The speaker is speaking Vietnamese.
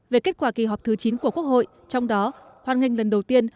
về kết quả kỳ họp thứ chín của quốc hội trong đó hoan nghênh lần đầu tiên